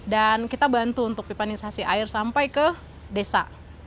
dan kita bantu untuk pipanisasi air sampai ke desa